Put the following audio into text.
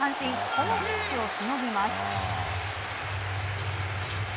このピンチをしのぎます。